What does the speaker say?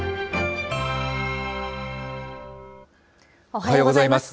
おはようございます。